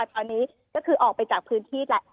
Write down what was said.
ตอนนี้ก็คือออกไปจากพื้นที่แหละ